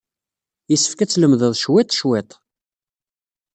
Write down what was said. Yessefk ad tlemdeḍ cwiṭ, cwiṭ.